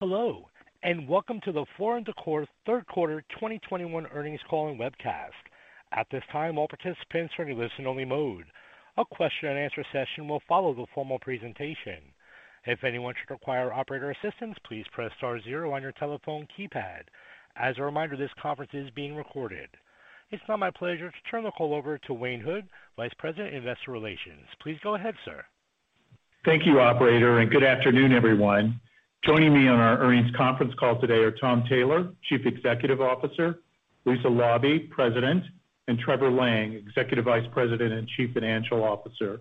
Hello, and welcome to the Floor & Decor third quarter 2021 earnings call and webcast. At this time, all participants are in listen only mode. A question and answer session will follow the formal presentation. If anyone should require operator assistance, please press star zero on your telephone keypad. As a reminder, this conference is being recorded. It's now my pleasure to turn the call over to Wayne Hood, Vice President, Investor Relations. Please go ahead, sir. Thank you, operator, and good afternoon, everyone. Joining me on our earnings conference call today are Tom Taylor, Chief Executive Officer, Lisa Laube, President, and Trevor Lang, Executive Vice President and Chief Financial Officer.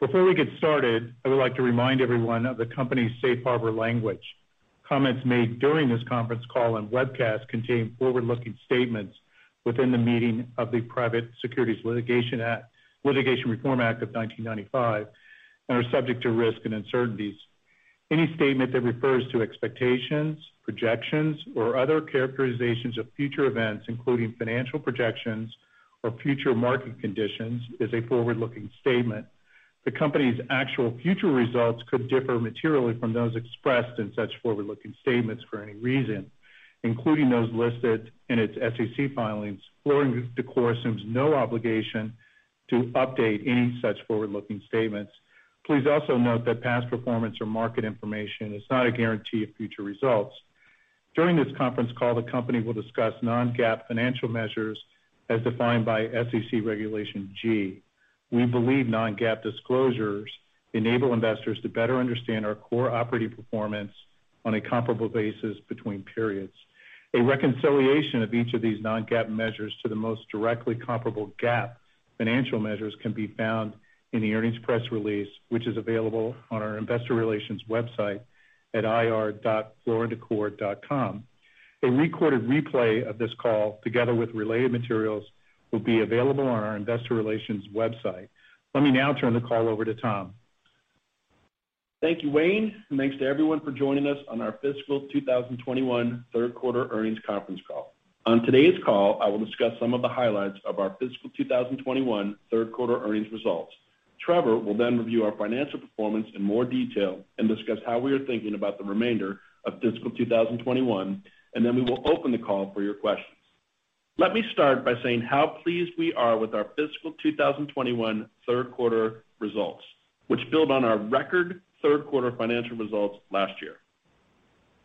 Before we get started, I would like to remind everyone of the company's Safe Harbor language. Comments made during this conference call and webcast contain forward-looking statements within the meaning of the Private Securities Litigation Reform Act of 1995 and are subject to risk and uncertainties. Any statement that refers to expectations, projections, or other characterizations of future events, including financial projections or future market conditions, is a forward-looking statement. The company's actual future results could differ materially from those expressed in such forward-looking statements for any reason, including those listed in its SEC filings. Floor & Decor assumes no obligation to update any such forward-looking statements. Please also note that past performance or market information is not a guarantee of future results. During this conference call, the company will discuss non-GAAP financial measures as defined by SEC Regulation G. We believe non-GAAP disclosures enable investors to better understand our core operating performance on a comparable basis between periods. A reconciliation of each of these non-GAAP measures to the most directly comparable GAAP financial measures can be found in the earnings press release, which is available on our investor relations website at ir.flooranddecor.com. A recorded replay of this call, together with related materials, will be available on our investor relations website. Let me now turn the call over to Tom. Thank you, Wayne, and thanks to everyone for joining us on our fiscal 2021 third quarter earnings conference call. On today's call, I will discuss some of the highlights of our fiscal 2021 third quarter earnings results. Trevor will then review our financial performance in more detail and discuss how we are thinking about the remainder of fiscal 2021, and then we will open the call for your questions. Let me start by saying how pleased we are with our fiscal 2021 third quarter results, which build on our record third quarter financial results last year.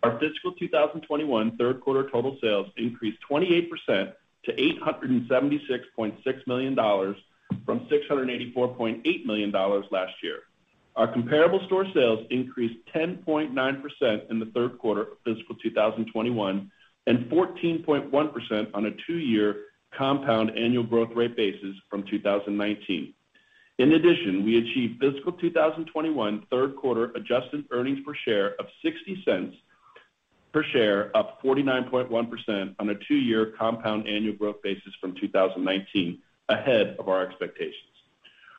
Our fiscal 2021 third quarter total sales increased 28% to $876.6 million from $684.8 million last year. Our comparable store sales increased 10.9% in the third quarter of fiscal 2021 and 14.1% on a 2-year compound annual growth rate basis from 2019. In addition, we achieved fiscal 2021 third quarter adjusted earnings per share of $0.60 per share, up 49.1% on a 2-year compound annual growth basis from 2019, ahead of our expectations.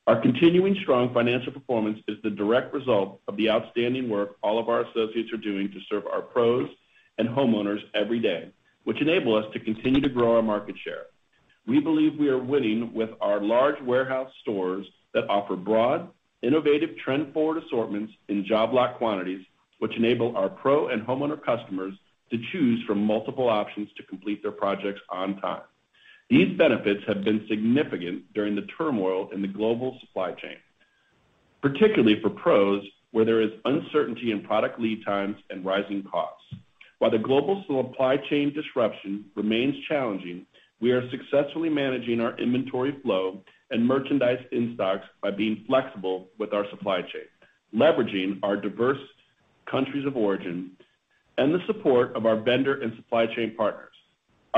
Our continuing strong financial performance is the direct result of the outstanding work all of our associates are doing to serve our pros and homeowners every day, which enable us to continue to grow our market share. We believe we are winning with our large warehouse stores that offer broad, innovative, trend forward assortments in job lot quantities, which enable our pro and homeowner customers to choose from multiple options to complete their projects on time. These benefits have been significant during the turmoil in the global supply chain, particularly for pros, where there is uncertainty in product lead times and rising costs. While the global supply chain disruption remains challenging, we are successfully managing our inventory flow and merchandise in stocks by being flexible with our supply chain, leveraging our diverse countries of origin and the support of our vendor and supply chain partners.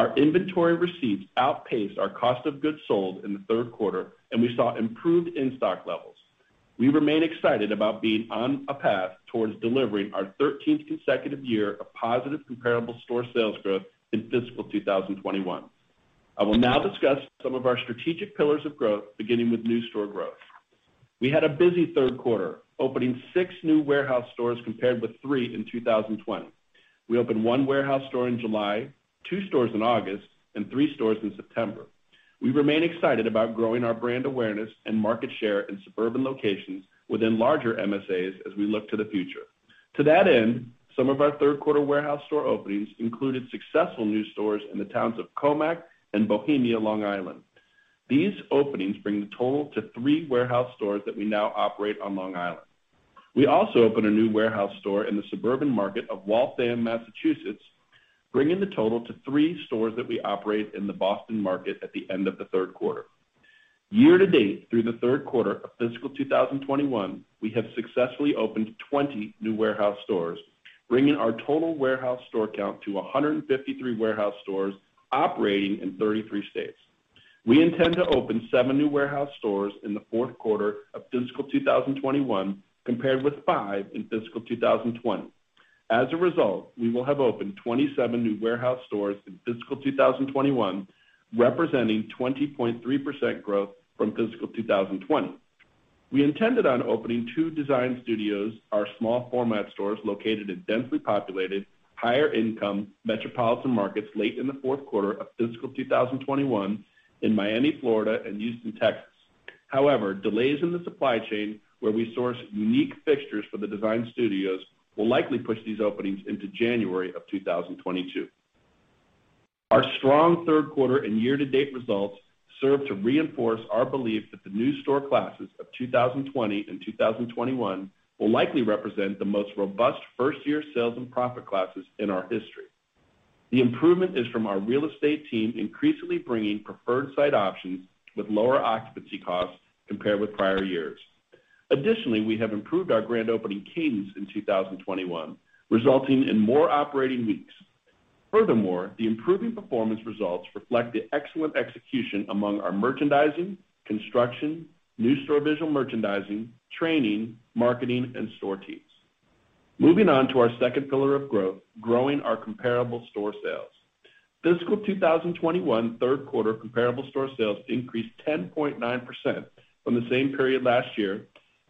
Our inventory receipts outpaced our cost of goods sold in the third quarter, and we saw improved in-stock levels. We remain excited about being on a path towards delivering our thirteenth consecutive year of positive comparable store sales growth in fiscal 2021. I will now discuss some of our strategic pillars of growth, beginning with new store growth. We had a busy third quarter, opening 6 new warehouse stores compared with 3 in 2020. We opened 1 warehouse store in July, 2 stores in August, and 3 stores in September. We remain excited about growing our brand awareness and market share in suburban locations within larger MSAs as we look to the future. To that end, some of our third quarter warehouse store openings included successful new stores in the towns of Commack and Bohemia, Long Island. These openings bring the total to 3 warehouse stores that we now operate on Long Island. We also opened a new warehouse store in the suburban market of Waltham, Massachusetts, bringing the total to 3 stores that we operate in the Boston market at the end of the third quarter. Year to date, through the third quarter of fiscal 2021, we have successfully opened 20 new warehouse stores, bringing our total warehouse store count to 153 warehouse stores operating in 33 states. We intend to open 7 new warehouse stores in the fourth quarter of fiscal 2021, compared with 5 in fiscal 2020. As a result, we will have opened 27 new warehouse stores in fiscal 2021, representing 20.3% growth from fiscal 2020. We intended on opening 2 design studios, our small format stores located in densely populated, higher income metropolitan markets late in the fourth quarter of fiscal 2021 in Miami, Florida and Houston, Texas. However, delays in the supply chain where we source unique fixtures for the design studios will likely push these openings into January 2022. Our strong third quarter and year-to-date results serve to reinforce our belief that the new store classes of 2020 and 2021 will likely represent the most robust first-year sales and profit classes in our history. The improvement is from our real estate team increasingly bringing preferred site options with lower occupancy costs compared with prior years. Additionally, we have improved our grand opening cadence in 2021, resulting in more operating weeks. Furthermore, the improving performance results reflect the excellent execution among our merchandising, construction, new store visual merchandising, training, marketing, and store teams. Moving on to our second pillar of growth, growing our comparable store sales. Fiscal 2021 third quarter comparable store sales increased 10.9% from the same period last year,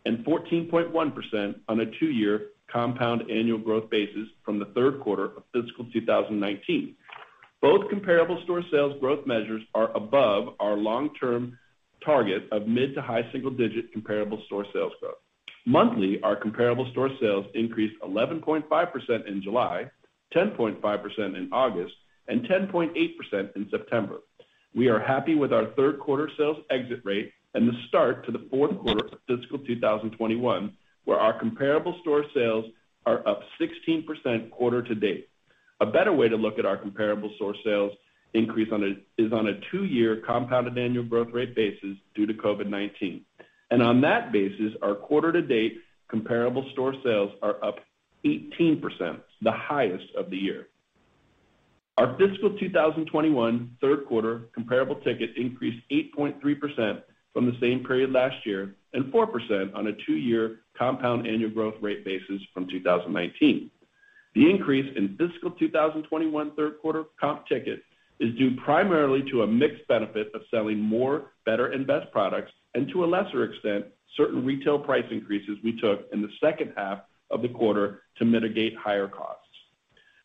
and 14.1% on a two-year compound annual growth basis from the third quarter of fiscal 2019. Both comparable store sales growth measures are above our long-term target of mid- to high-single-digit comparable store sales growth. Monthly, our comparable store sales increased 11.5% in July, 10.5% in August, and 10.8% in September. We are happy with our third quarter sales exit rate and the start to the fourth quarter of fiscal 2021, where our comparable store sales are up 16% quarter to date. A better way to look at our comparable store sales increase is on a two-year compounded annual growth rate basis due to COVID-19. On that basis, our quarter-to-date comparable store sales are up 18%, the highest of the year. Our fiscal 2021 third quarter comparable ticket increased 8.3% from the same period last year and 4% on a two-year compound annual growth rate basis from 2019. The increase in fiscal 2021 third quarter comp ticket is due primarily to a mix benefit of selling more, better, and best products, and to a lesser extent, certain retail price increases we took in the second half of the quarter to mitigate higher costs.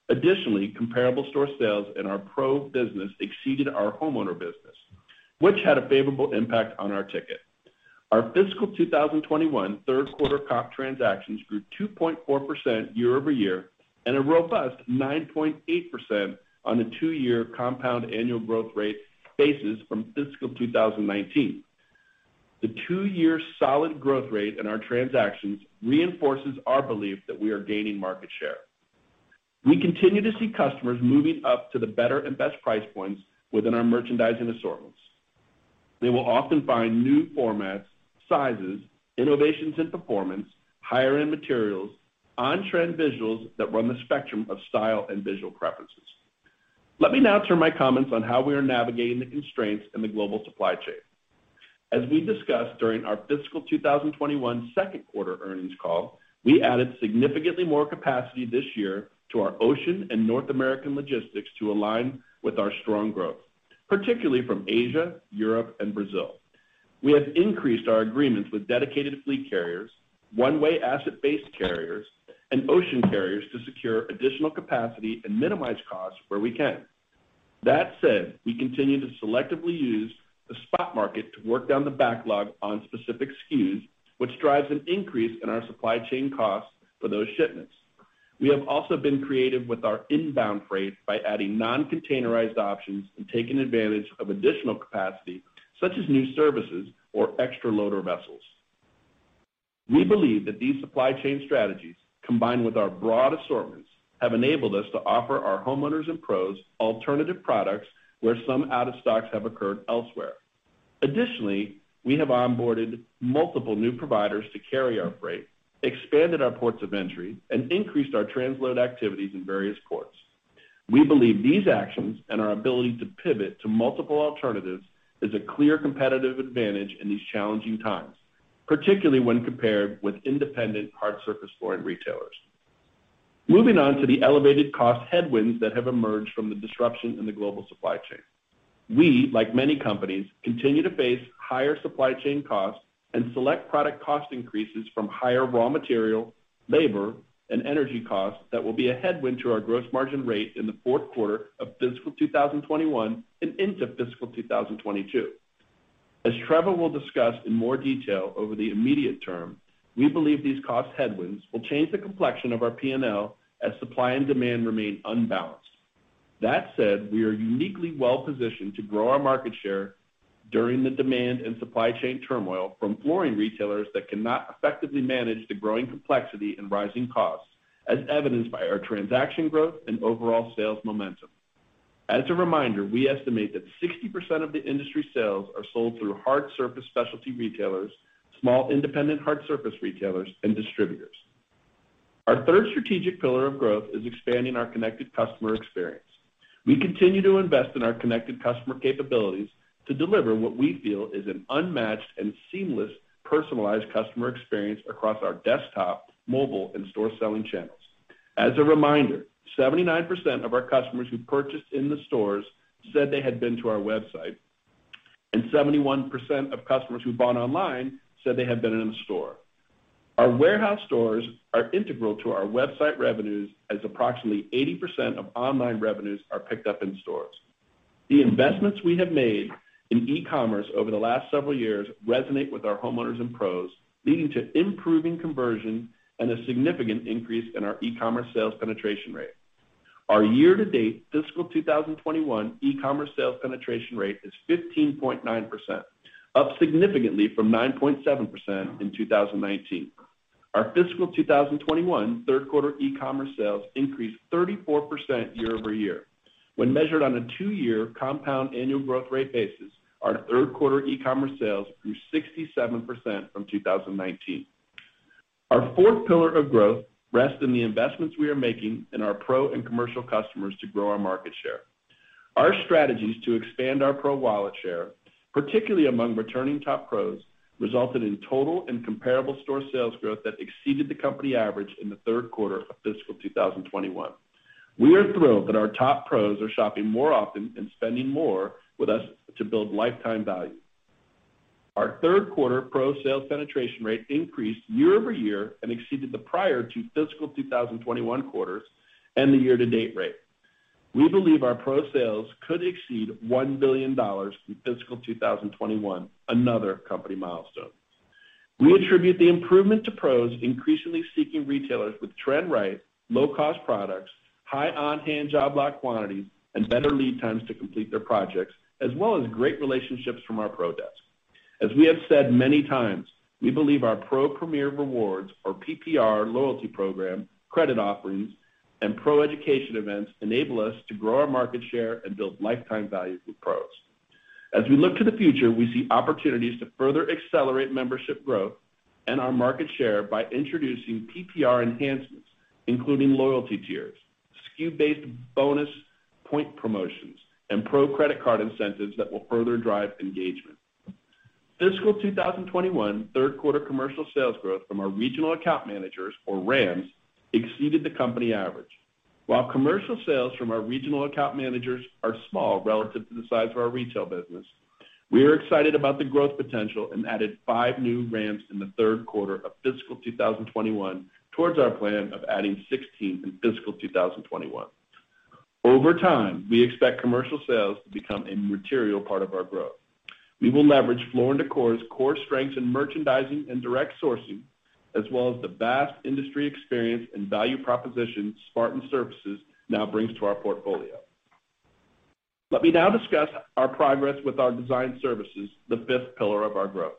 Additionally, comparable store sales in our pro business exceeded our homeowner business, which had a favorable impact on our ticket. Our fiscal 2021 third quarter comp transactions grew 2.4% year-over-year and a robust 9.8% on a 2-year compound annual growth rate basis from fiscal 2019. The 2-year solid growth rate in our transactions reinforces our belief that we are gaining market share. We continue to see customers moving up to the better and best price points within our merchandising assortments. They will often find new formats, sizes, innovations in performance, higher-end materials, on-trend visuals that run the spectrum of style and visual preferences. Let me now turn to my comments on how we are navigating the constraints in the global supply chain. As we discussed during our fiscal 2021 second quarter earnings call, we added significantly more capacity this year to our ocean and North American logistics to align with our strong growth, particularly from Asia, Europe, and Brazil. We have increased our agreements with dedicated fleet carriers, one-way asset-based carriers, and ocean carriers to secure additional capacity and minimize costs where we can. That said, we continue to selectively use the spot market to work down the backlog on specific SKUs, which drives an increase in our supply chain costs for those shipments. We have also been creative with our inbound freight by adding non-containerized options and taking advantage of additional capacity, such as new services or extra loader vessels. We believe that these supply chain strategies, combined with our broad assortments, have enabled us to offer our homeowners and pros alternative products where some out-of-stocks have occurred elsewhere. Additionally, we have onboarded multiple new providers to carry our freight, expanded our ports of entry, and increased our transload activities in various ports. We believe these actions and our ability to pivot to multiple alternatives is a clear competitive advantage in these challenging times, particularly when compared with independent hard-surface flooring retailers. Moving on to the elevated cost headwinds that have emerged from the disruption in the global supply chain. We, like many companies, continue to face higher supply chain costs and select product cost increases from higher raw material, labor, and energy costs that will be a headwind to our gross margin rate in the fourth quarter of fiscal 2021 and into fiscal 2022. As Trevor will discuss in more detail over the immediate term, we believe these cost headwinds will change the complexion of our P&L as supply and demand remain unbalanced. That said, we are uniquely well-positioned to grow our market share during the demand and supply chain turmoil from flooring retailers that cannot effectively manage the growing complexity and rising costs, as evidenced by our transaction growth and overall sales momentum. As a reminder, we estimate that 60% of the industry sales are sold through hard surface specialty retailers, small independent hard surface retailers, and distributors. Our third strategic pillar of growth is expanding our connected customer experience. We continue to invest in our connected customer capabilities to deliver what we feel is an unmatched and seamless personalized customer experience across our desktop, mobile, and store selling channels. As a reminder, 79% of our customers who purchased in the stores said they had been to our website, and 71% of customers who bought online said they had been in a store. Our warehouse stores are integral to our website revenues as approximately 80% of online revenues are picked up in stores. The investments we have made in e-commerce over the last several years resonate with our homeowners and pros, leading to improving conversion and a significant increase in our e-commerce sales penetration rate. Our year-to-date fiscal 2021 e-commerce sales penetration rate is 15.9%, up significantly from 9.7% in 2019. Our fiscal 2021 third quarter e-commerce sales increased 34% year-over-year. When measured on a 2-year compound annual growth rate basis, our third quarter e-commerce sales grew 67% from 2019. Our fourth pillar of growth rests in the investments we are making in our pro and commercial customers to grow our market share. Our strategies to expand our pro wallet share, particularly among returning top pros, resulted in total and comparable store sales growth that exceeded the company average in the third quarter of fiscal 2021. We are thrilled that our top pros are shopping more often and spending more with us to build lifetime value. Our third quarter pro sales penetration rate increased year-over-year and exceeded the prior to fiscal 2021 quarters and the year-to-date rate. We believe our pro sales could exceed $1 billion in fiscal 2021, another company milestone. We attribute the improvement to pros increasingly seeking retailers with trend-right, low-cost products, high on-hand job lot quantities, and better lead times to complete their projects, as well as great relationships from our pro desk. As we have said many times, we believe our PRO Premier Rewards or PPR loyalty program, credit offerings, and pro education events enable us to grow our market share and build lifetime value with pros. As we look to the future, we see opportunities to further accelerate membership growth and our market share by introducing PPR enhancements, including loyalty tiers, SKU-based bonus point promotions, and pro credit card incentives that will further drive engagement. Fiscal 2021 third quarter commercial sales growth from our regional account managers, or RAMs, exceeded the company average. While commercial sales from our regional account managers are small relative to the size of our retail business, we are excited about the growth potential and added 5 new RAMs in the third quarter of fiscal 2021 towards our plan of adding 16 in fiscal 2021. Over time, we expect commercial sales to become a material part of our growth. We will leverage Floor & Decor's core strengths in merchandising and direct sourcing, as well as the vast industry experience and value proposition Spartan Surfaces now brings to our portfolio. Let me now discuss our progress with our design services, the fifth pillar of our growth.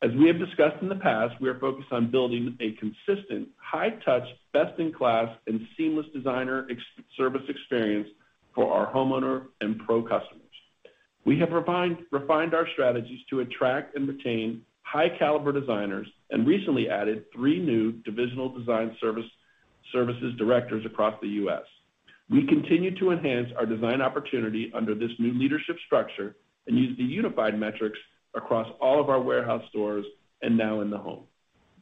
As we have discussed in the past, we are focused on building a consistent, high-touch, best-in-class, and seamless designer service experience for our homeowner and pro customers. We have refined our strategies to attract and retain high caliber designers and recently added three new divisional design services directors across the U.S. We continue to enhance our design opportunity under this new leadership structure and use the unified metrics across all of our warehouse stores and now in the home.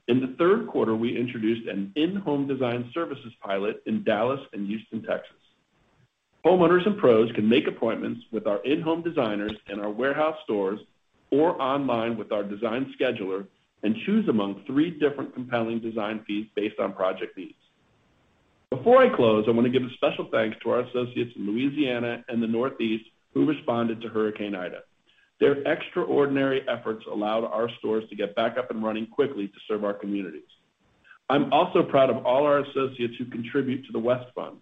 In the third quarter, we introduced an in-home design services pilot in Dallas and Houston, Texas. Homeowners and pros can make appointments with our in-home designers in our warehouse stores or online with our design scheduler and choose among three different compelling design fees based on project needs. Before I close, I want to give a special thanks to our associates in Louisiana and the Northeast who responded to Hurricane Ida. Their extraordinary efforts allowed our stores to get back up and running quickly to serve our communities. I'm also proud of all our associates who contribute to the West Fund,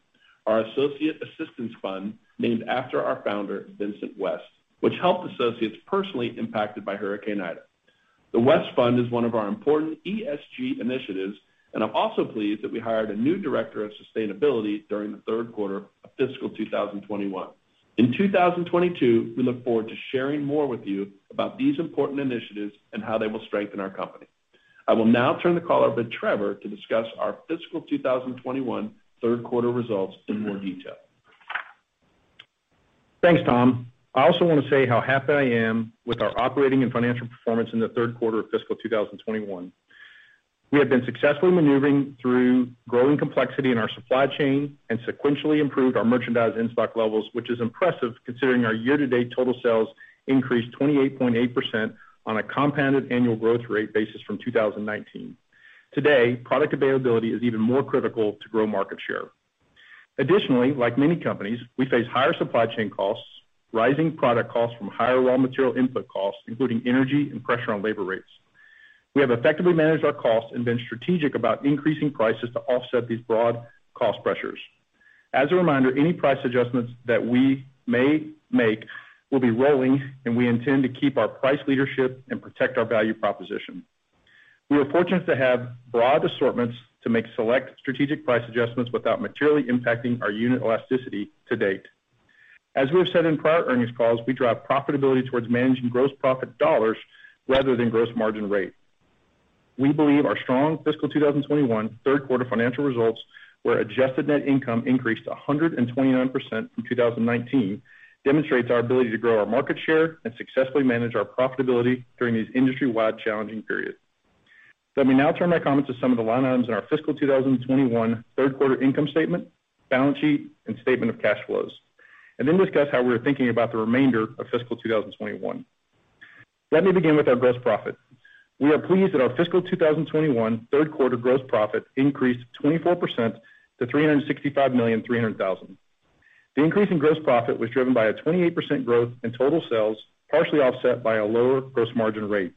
our associate assistance fund named after our founder, Vincent West, which helped associates personally impacted by Hurricane Ida. The West Fund is one of our important ESG initiatives, and I'm also pleased that we hired a new director of sustainability during the third quarter of fiscal 2021. In 2022, we look forward to sharing more with you about these important initiatives and how they will strengthen our company. I will now turn the call over to Trevor to discuss our fiscal 2021 third quarter results in more detail. Thanks, Tom. I also want to say how happy I am with our operating and financial performance in the third quarter of fiscal 2021. We have been successfully maneuvering through growing complexity in our supply chain and sequentially improved our merchandise in-stock levels, which is impressive considering our year-to-date total sales increased 28.8% on a compounded annual growth rate basis from 2019. Today, product availability is even more critical to grow market share. Additionally, like many companies, we face higher supply chain costs, rising product costs from higher raw material input costs, including energy and pressure on labor rates. We have effectively managed our costs and been strategic about increasing prices to offset these broad cost pressures. As a reminder, any price adjustments that we may make will be rolling, and we intend to keep our price leadership and protect our value proposition. We are fortunate to have broad assortments to make select strategic price adjustments without materially impacting our unit elasticity to date. As we have said in prior earnings calls, we drive profitability towards managing gross profit dollars rather than gross margin rate. We believe our strong fiscal 2021 third quarter financial results, where adjusted net income increased 129% from 2019, demonstrates our ability to grow our market share and successfully manage our profitability during these industry-wide challenging periods. Let me now turn my comments to some of the line items in our fiscal 2021 third quarter income statement, balance sheet, and statement of cash flows, and discuss how we're thinking about the remainder of fiscal 2021. Let me begin with our gross profit. We are pleased that our fiscal 2021 third quarter gross profit increased 24% to $365.3 million. The increase in gross profit was driven by a 28% growth in total sales, partially offset by a lower gross margin rate.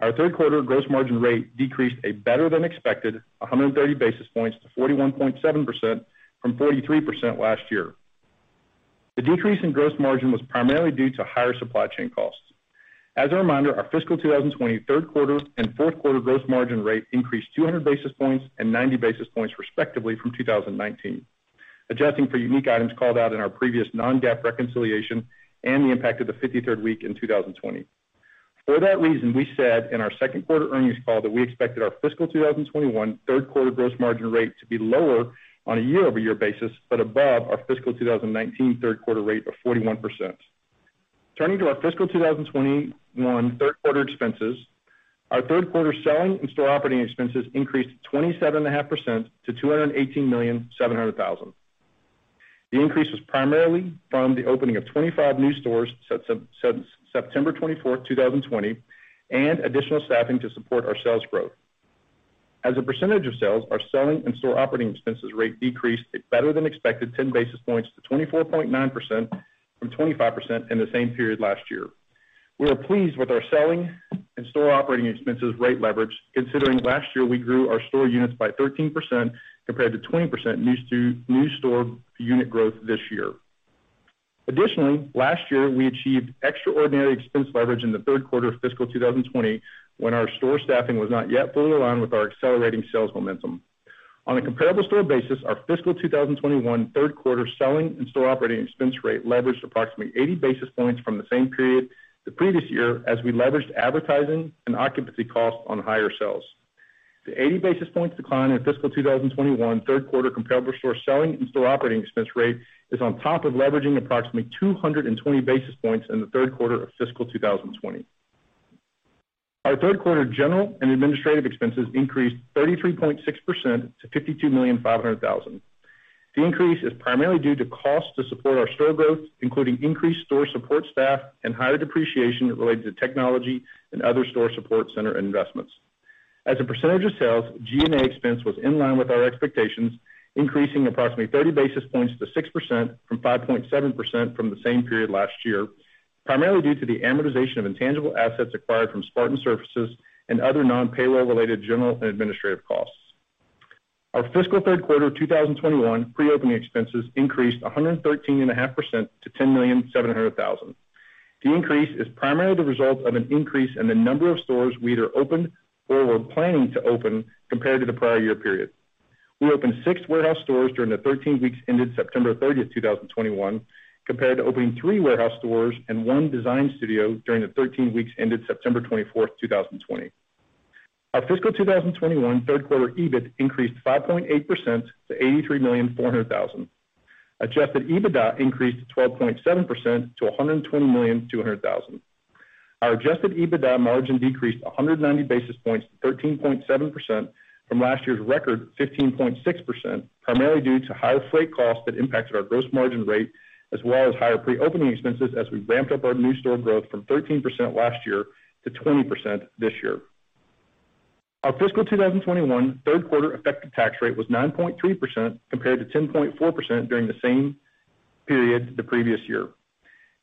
Our third quarter gross margin rate decreased a better than expected 130 basis points to 41.7% from 43% last year. The decrease in gross margin was primarily due to higher supply chain costs. As a reminder, our fiscal 2020 third quarter and fourth quarter gross margin rate increased 200 basis points and 90 basis points respectively from 2019, adjusting for unique items called out in our previous non-GAAP reconciliation and the impact of the 53rd week in 2020. For that reason, we said in our second quarter earnings call that we expected our fiscal 2021 third quarter gross margin rate to be lower on a year-over-year basis, but above our fiscal 2019 third quarter rate of 41%. Turning to our fiscal 2021 third quarter expenses. Our third quarter selling and store operating expenses increased 27.5% to $218.7 million. The increase was primarily from the opening of 25 new stores since September 24, 2020, and additional staffing to support our sales growth. As a percentage of sales, our selling and store operating expenses rate decreased a better than expected 10 basis points to 24.9% from 25% in the same period last year. We are pleased with our selling and store operating expenses rate leverage, considering last year we grew our store units by 13% compared to 20% new store unit growth this year. Additionally, last year, we achieved extraordinary expense leverage in the third quarter of fiscal 2020 when our store staffing was not yet fully aligned with our accelerating sales momentum. On a comparable store basis, our fiscal 2021 third quarter selling and store operating expense rate leveraged approximately 80 basis points from the same period the previous year as we leveraged advertising and occupancy costs on higher sales. The 80 basis points decline in fiscal 2021 third quarter comparable store selling and store operating expense rate is on top of leveraging approximately 220 basis points in the third quarter of fiscal 2020. Our third quarter general and administrative expenses increased 33.6% to $52.5 million. The increase is primarily due to costs to support our store growth, including increased store support staff and higher depreciation related to technology and other store support center investments. As a percentage of sales, G&A expense was in line with our expectations, increasing approximately 30 basis points to 6% from 5.7% from the same period last year, primarily due to the amortization of intangible assets acquired from Spartan Surfaces and other non-payroll related general and administrative costs. Our fiscal third quarter of 2021 pre-opening expenses increased 113.5% to $10.7 million. The increase is primarily the result of an increase in the number of stores we either opened or were planning to open compared to the prior year period. We opened 6 warehouse stores during the 13 weeks ended September 30, 2021, compared to opening 3 warehouse stores and 1 design studio during the 13 weeks ended September 24, 2020. Our fiscal 2021 third quarter EBIT increased 5.8% to $83.4 million. Adjusted EBITDA increased 12.7% to $120.2 million. Our adjusted EBITDA margin decreased 190 basis points to 13.7% from last year's record 15.6%, primarily due to higher freight costs that impacted our gross margin rate as well as higher pre-opening expenses as we ramped up our new store growth from 13% last year to 20% this year. Our fiscal 2021 third quarter effective tax rate was 9.3% compared to 10.4% during the same period the previous year.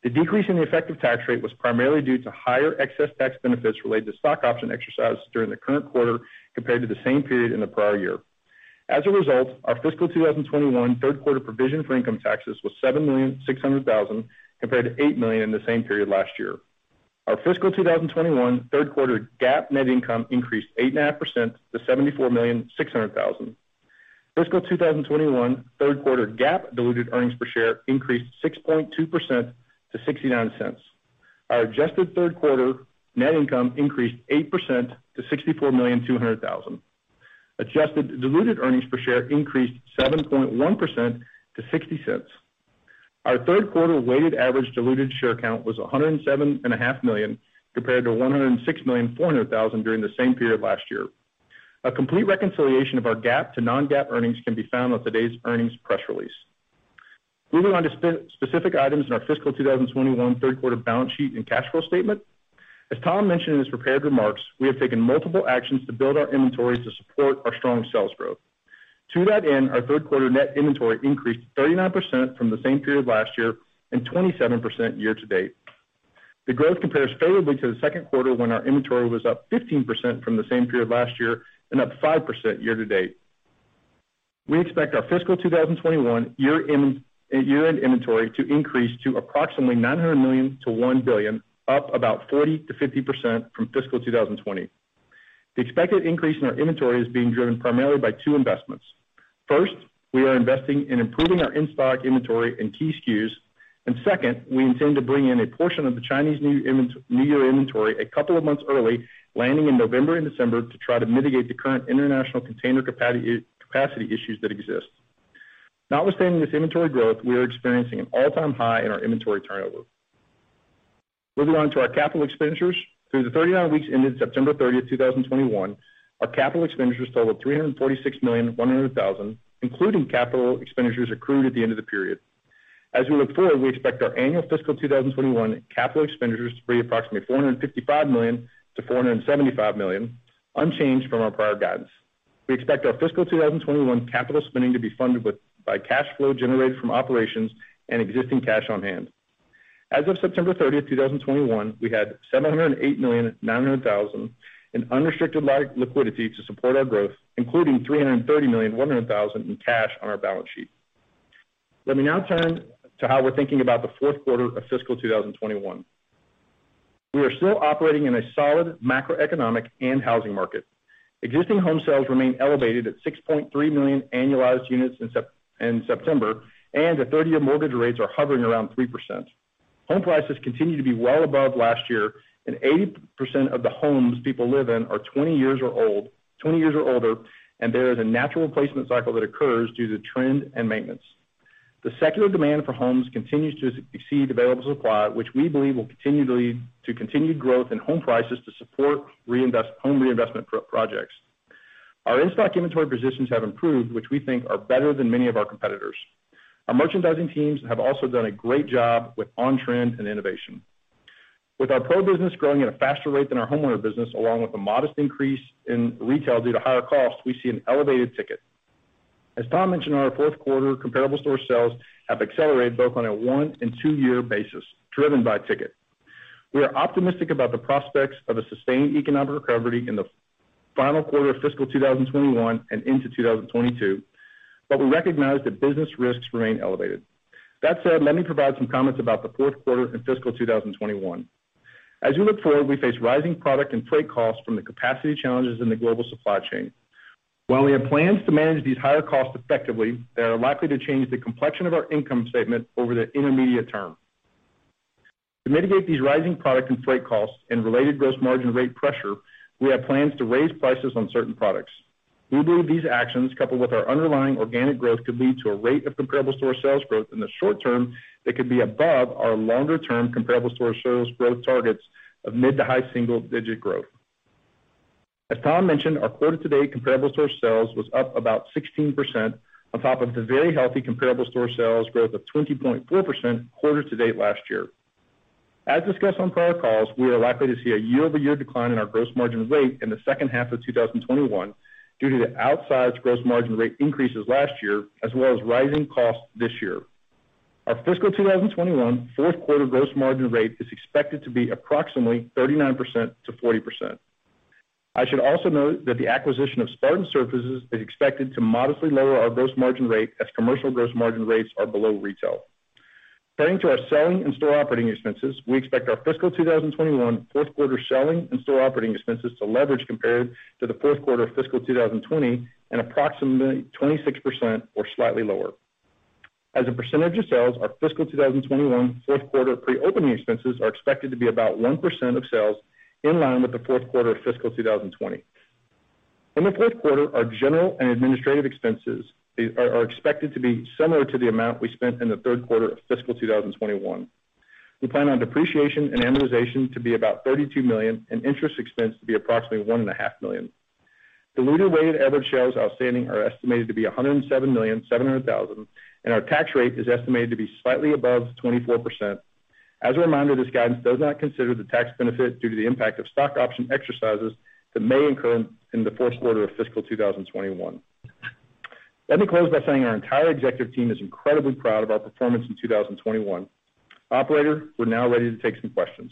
The decrease in the effective tax rate was primarily due to higher excess tax benefits related to stock option exercise during the current quarter compared to the same period in the prior year. As a result, our fiscal 2021 third quarter provision for income taxes was $7.6 million compared to $8 million in the same period last year. Our fiscal 2021 third quarter GAAP net income increased 8.5% to $74.6 million. Fiscal 2021 third quarter GAAP diluted earnings per share increased 6.2% to $0.69. Our adjusted third quarter net income increased 8% to $64.2 million. Adjusted diluted earnings per share increased 7.1% to $0.60. Our third quarter weighted average diluted share count was 107.5 million, compared to 106.4 million during the same period last year. A complete reconciliation of our GAAP to non-GAAP earnings can be found on today's earnings press release. Moving on to specific items in our fiscal 2021 third quarter balance sheet and cash flow statement. As Tom mentioned in his prepared remarks, we have taken multiple actions to build our inventories to support our strong sales growth. To that end, our third quarter net inventory increased 39% from the same period last year and 27% year-to-date. The growth compares favorably to the second quarter when our inventory was up 15% from the same period last year and up 5% year-to-date. We expect our fiscal 2021 year-end inventory to increase to approximately $900 million-$1 billion, up about 40%-50% from fiscal 2020. The expected increase in our inventory is being driven primarily by two investments. First, we are investing in improving our in-stock inventory and key SKUs. Second, we intend to bring in a portion of the Chinese New Year inventory a couple of months early, landing in November and December to try to mitigate the current international container capacity issues that exist. Notwithstanding this inventory growth, we are experiencing an all-time high in our inventory turnover. Moving on to our capital expenditures. Through the 39 weeks ended September 30, 2021, our capital expenditures totaled $346.1 million, including capital expenditures accrued at the end of the period. As we look forward, we expect our annual fiscal 2021 capital expenditures to be approximately $455 million-$475 million, unchanged from our prior guidance. We expect our fiscal 2021 capital spending to be funded by cash flow generated from operations and existing cash on hand. As of September 30, 2021, we had $708.9 million in unrestricted liquidity to support our growth, including $330.1 million in cash on our balance sheet. Let me now turn to how we're thinking about the fourth quarter of fiscal 2021. We are still operating in a solid macroeconomic and housing market. Existing home sales remain elevated at 6.3 million annualized units in September, and the 30-year mortgage rates are hovering around 3%. Home prices continue to be well above last year, and 80% of the homes people live in are 20 years or older, and there is a natural replacement cycle that occurs due to wear and tear and maintenance. The secular demand for homes continues to exceed available supply, which we believe will continue to lead to continued growth in home prices to support home reinvestment projects. Our in-stock inventory positions have improved, which we think are better than many of our competitors. Our merchandising teams have also done a great job with on-trend and innovation. With our pro business growing at a faster rate than our homeowner business, along with a modest increase in retail due to higher costs, we see an elevated ticket. As Tom mentioned, our fourth quarter comparable store sales have accelerated both on a 1- and 2-year basis, driven by ticket. We are optimistic about the prospects of a sustained economic recovery in the final quarter of fiscal 2021 and into 2022, but we recognize that business risks remain elevated. That said, let me provide some comments about the fourth quarter in fiscal 2021. As we look forward, we face rising product and freight costs from the capacity challenges in the global supply chain. While we have plans to manage these higher costs effectively, they are likely to change the complexion of our income statement over the intermediate term. To mitigate these rising product and freight costs and related gross margin rate pressure, we have plans to raise prices on certain products. We believe these actions, coupled with our underlying organic growth, could lead to a rate of comparable store sales growth in the short term that could be above our longer term comparable store sales growth targets of mid to high single digit growth. As Tom mentioned, our quarter to date comparable store sales was up about 16% on top of the very healthy comparable store sales growth of 20.4% quarter to date last year. As discussed on prior calls, we are likely to see a year-over-year decline in our gross margin rate in the second half of 2021 due to the outsized gross margin rate increases last year, as well as rising costs this year. Our fiscal 2021 fourth quarter gross margin rate is expected to be approximately 39%-40%. I should also note that the acquisition of Spartan Surfaces is expected to modestly lower our gross margin rate as commercial gross margin rates are below retail. Turning to our selling and store operating expenses, we expect our fiscal 2021 fourth quarter selling and store operating expenses to leverage compared to the fourth quarter of fiscal 2020 and approximately 26% or slightly lower. As a percentage of sales, our fiscal 2021 fourth quarter pre-opening expenses are expected to be about 1% of sales, in line with the fourth quarter of fiscal 2020. In the fourth quarter, our general and administrative expenses are expected to be similar to the amount we spent in the third quarter of fiscal 2021. We plan on depreciation and amortization to be about $32 million and interest expense to be approximately $1.5 million. Diluted weighted average shares outstanding are estimated to be 107.7 million, and our tax rate is estimated to be slightly above 24%. As a reminder, this guidance does not consider the tax benefit due to the impact of stock option exercises that may occur in the fourth quarter of fiscal 2021. Let me close by saying our entire executive team is incredibly proud of our performance in 2021. Operator, we're now ready to take some questions.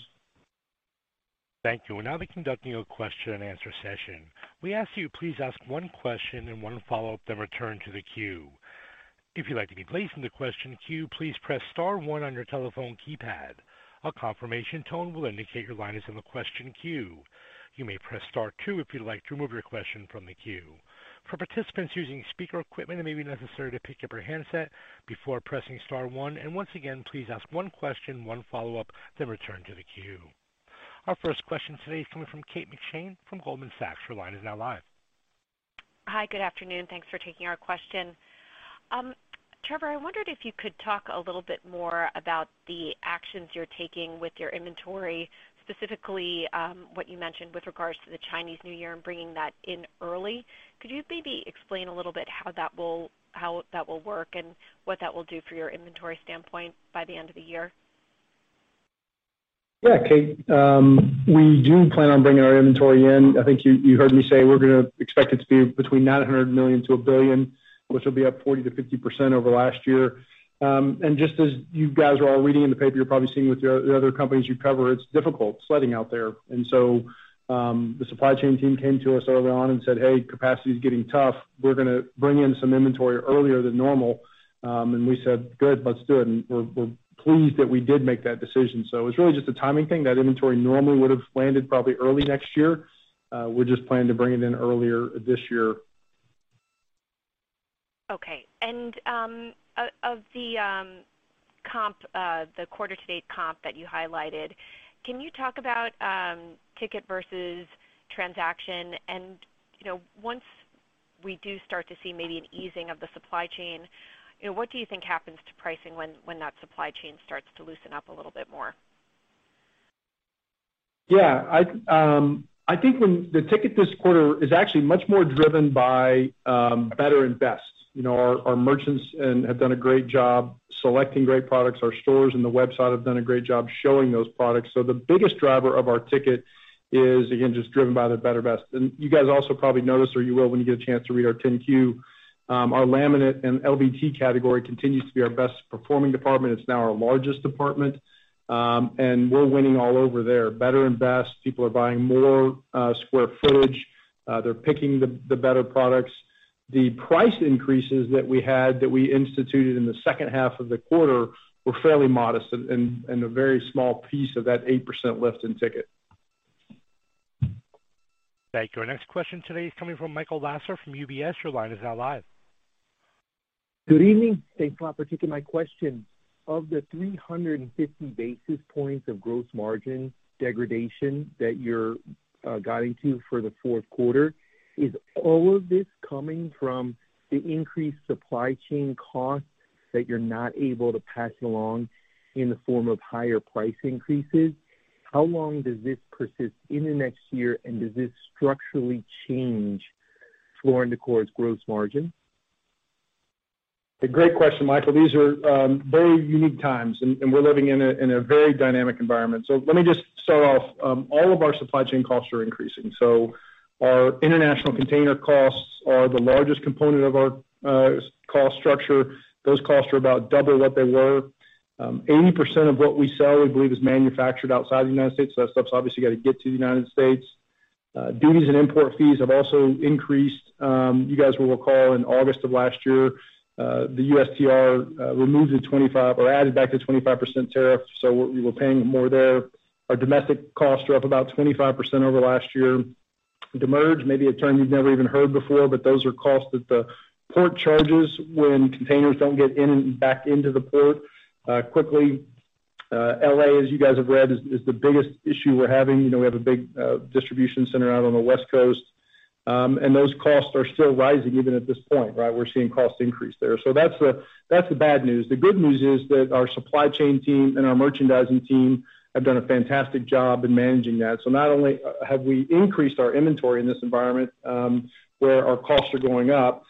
Thank you. We'll now be conducting a question and answer session. We ask you to please ask one question and one follow-up, then return to the queue. If you'd like to be placed in the question queue, please press star one on your telephone keypad. A confirmation tone will indicate your line is in the question queue. You may press star two if you'd like to remove your question from the queue. For participants using speaker equipment, it may be necessary to pick up your handset before pressing star one. Once again, please ask one question, one follow-up, then return to the queue. Our first question today is coming from Kate McShane from Goldman Sachs. Your line is now live. Hi, good afternoon. Thanks for taking our question. Trevor, I wondered if you could talk a little bit more about the actions you're taking with your inventory, specifically, what you mentioned with regards to the Chinese New Year and bringing that in early. Could you maybe explain a little bit how that will work and what that will do for your inventory standpoint by the end of the year? Yeah, Kate. We do plan on bringing our inventory in. I think you heard me say we're gonna expect it to be between $900 million-$1 billion, which will be up 40%-50% over last year. Just as you guys are all reading in the paper, you're probably seeing with the other companies you cover, it's difficult sledding out there. The supply chain team came to us early on and said, "Hey, capacity is getting tough. We're gonna bring in some inventory earlier than normal." We said, "Good, let's do it." We're pleased that we did make that decision. It was really just a timing thing. That inventory normally would have landed probably early next year. We're just planning to bring it in earlier this year. Okay. Of the quarter to date comps that you highlighted, can you talk about ticket versus transaction and, you know, once We do start to see maybe an easing of the supply chain. You know, what do you think happens to pricing when that supply chain starts to loosen up a little bit more? Yeah. I think the ticket this quarter is actually much more driven by better and best. You know, our merchants have done a great job selecting great products. Our stores and the website have done a great job showing those products. The biggest driver of our ticket is, again, just driven by the better best. You guys also probably noticed, or you will when you get a chance to read our 10-Q, our laminate and LVT category continues to be our best performing department. It's now our largest department. We're winning all over there. Better and best, people are buying more square footage. They're picking the better products. The price increases that we had, that we instituted in the second half of the quarter were fairly modest and a very small piece of that 8% lift in ticket. Thank you. Our next question today is coming from Michael Lasser from UBS. Your line is now live. Good evening. Thanks a lot for taking my question. Of the 350 basis points of gross margin degradation that you're guiding to for the fourth quarter, is all of this coming from the increased supply chain costs that you're not able to pass along in the form of higher price increases? How long does this persist in the next year, and does this structurally change Floor & Decor's gross margin? A great question, Michael. These are very unique times, and we're living in a very dynamic environment. Let me just start off. All of our supply chain costs are increasing. Our international container costs are the largest component of our cost structure. Those costs are about double what they were. 80% of what we sell, I believe, is manufactured outside the United States, so that stuff's obviously got to get to the United States. Duties and import fees have also increased. You guys will recall in August of last year, the USTR added back the 25% tariff, so we were paying more there. Our domestic costs are up about 25% over last year. Demurrage, maybe a term you've never even heard before, but those are costs that the port charges when containers don't get in and back into the port quickly. L.A., as you guys have read, is the biggest issue we're having. You know, we have a big distribution center out on the West Coast. Those costs are still rising even at this point, right? We're seeing costs increase there. That's the bad news. The good news is that our supply chain team and our merchandising team have done a fantastic job in managing that. Not only have we increased our inventory in this environment, where our costs are going up,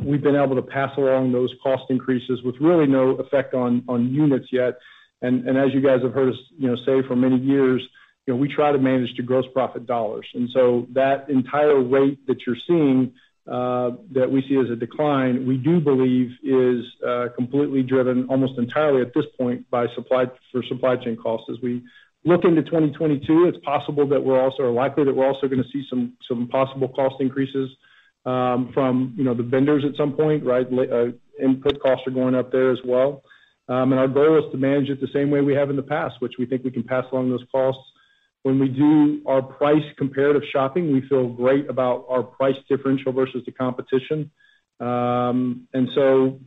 we've been able to pass along those cost increases with really no effect on units yet. As you guys have heard us, you know, say for many years, you know, we try to manage to gross profit dollars. That entire rate that you're seeing, that we see as a decline, we do believe is completely driven almost entirely at this point by supply chain costs. As we look into 2022, it's possible that we're also or likely that we're also gonna see some possible cost increases, from, you know, the vendors at some point, right? Input costs are going up there as well. Our goal is to manage it the same way we have in the past, which we think we can pass along those costs. When we do our price comparative shopping, we feel great about our price differential versus the competition. You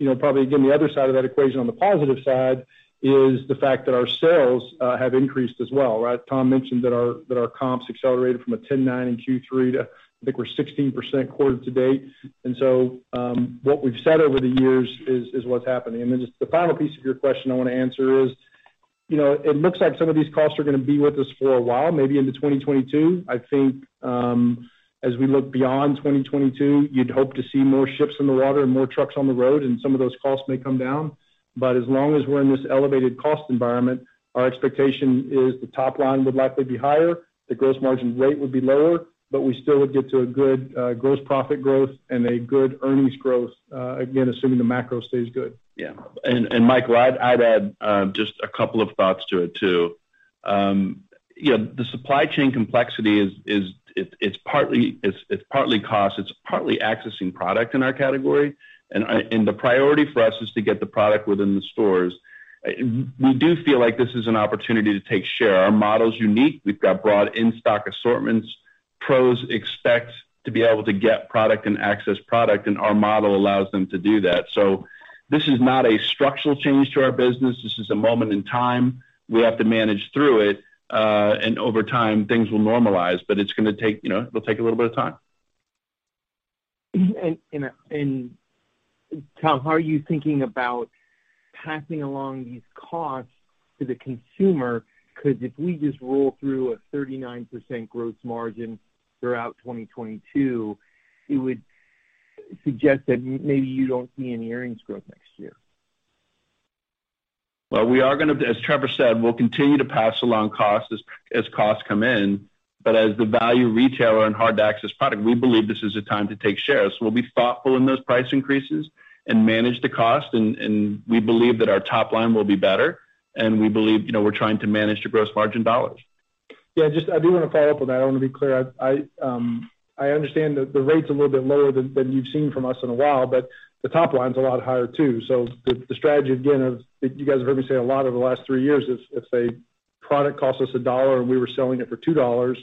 know, probably, again, the other side of that equation on the positive side is the fact that our sales have increased as well, right? Tom mentioned that our comps accelerated from 10.9% in Q3 to, I think we're 16% quarter to date. What we've said over the years is what's happening. Just the final piece of your question I wanna answer is, you know, it looks like some of these costs are gonna be with us for a while, maybe into 2022. I think, as we look beyond 2022, you'd hope to see more ships in the water and more trucks on the road, and some of those costs may come down. As long as we're in this elevated cost environment, our expectation is the top line would likely be higher, the gross margin rate would be lower, but we still would get to a good, gross profit growth and a good earnings growth, again, assuming the macro stays good. Yeah. Michael, I'd add just a couple of thoughts to it too. You know, the supply chain complexity is partly cost, it's partly accessing product in our category. The priority for us is to get the product within the stores. We do feel like this is an opportunity to take share. Our model's unique. We've got broad in-stock assortments. Pros expect to be able to get product and access product, and our model allows them to do that. This is not a structural change to our business. This is a moment in time. We have to manage through it, and over time, things will normalize, but it's gonna take, you know, it'll take a little bit of time. Tom, how are you thinking about passing along these costs to the consumer? Because if we just roll through a 39% gross margin throughout 2022, it would suggest that maybe you don't see any earnings growth next year. Well, as Trevor said, we'll continue to pass along costs as costs come in. But as the value retailer on hard to access product, we believe this is a time to take shares. We'll be thoughtful in those price increases and manage the cost, and we believe that our top line will be better, and we believe, you know, we're trying to manage the gross margin dollars. Yeah, just I do wanna follow up on that. I wanna be clear. I understand that the rate's a little bit lower than you've seen from us in a while, but the top line's a lot higher too. The strategy, again, that you guys have heard me say a lot over the last 3 years is if a product costs us $1 and we were selling it for $2.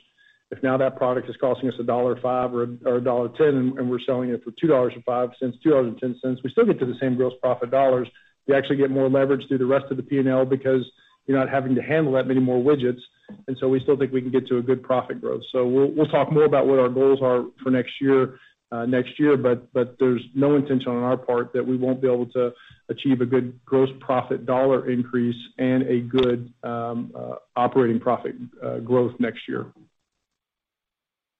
If now that product is costing us $1.05 or $1.10, and we're selling it for $2.05, $2.10, we still get to the same gross profit dollars. We actually get more leverage through the rest of the P&L because you're not having to handle that many more widgets. We still think we can get to a good profit growth. We'll talk more about what our goals are for next year, but there's no intention on our part that we won't be able to achieve a good gross profit dollar increase and a good operating profit growth next year.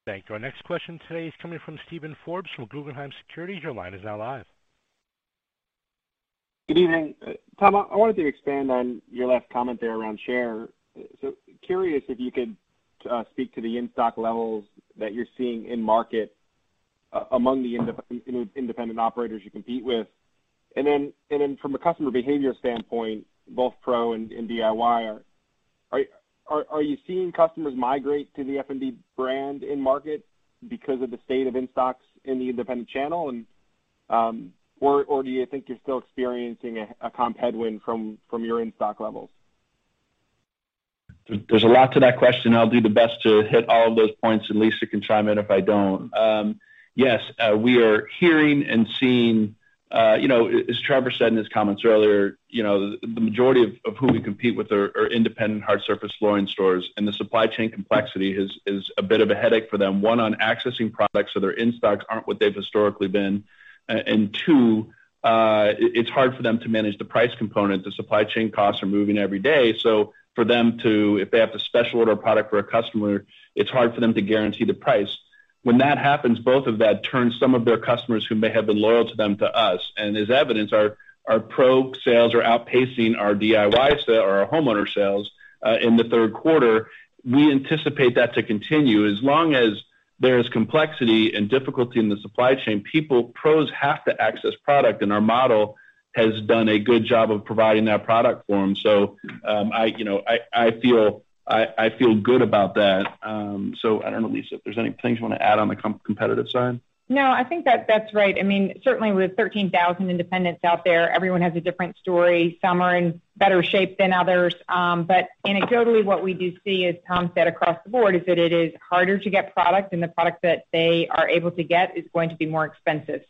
Thank you. Our next question today is coming from Steven Forbes from Guggenheim Securities. Your line is now live. Good evening. Tom, I wanted to expand on your last comment there around share. Curious if you could speak to the in-stock levels that you're seeing in market among the independent operators you compete with. And then from a customer behavior standpoint, both pro and DIY. Are you seeing customers migrate to the F&D brand in market because of the state of in-stocks in the independent channel. Or do you think you're still experiencing a comp headwind from your in-stock levels? There's a lot to that question. I'll do the best to hit all of those points, and Lisa can chime in if I don't. Yes, we are hearing and seeing, you know, as Trevor said in his comments earlier, you know, the majority of who we compete with are independent hard surface flooring stores, and the supply chain complexity is a bit of a headache for them. One, on accessing products, so their in-stocks aren't what they've historically been. And two, it's hard for them to manage the price component. The supply chain costs are moving every day, so if they have to special order a product for a customer, it's hard for them to guarantee the price. When that happens, both of that turns some of their customers who may have been loyal to them, to us. As evidence, our pro sales are outpacing our DIY or our homeowner sales in the third quarter. We anticipate that to continue. As long as there's complexity and difficulty in the supply chain, people, pros have to access product, and our model has done a good job of providing that product for them. You know, I feel good about that. I don't know, Lisa, if there's any things you wanna add on the competitive side. No, I think that that's right. I mean, certainly with 13,000 independents out there, everyone has a different story. Some are in better shape than others. Anecdotally, what we do see, as Tom said, across the board, is that it is harder to get product, and the product that they are able to get is going to be more expensive.